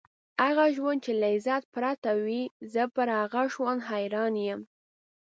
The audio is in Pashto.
هغه ژوند چې له عزت پرته وي، زه پر هغه ژوند حیران یم.